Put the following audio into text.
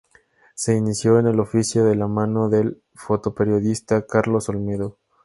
Se inició en el oficio de la mano del fotoperiodista Carlos Olmedo.